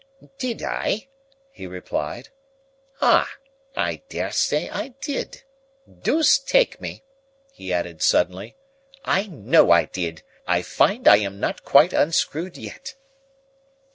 "Did I?" he replied. "Ah, I dare say I did. Deuce take me," he added, suddenly, "I know I did. I find I am not quite unscrewed yet."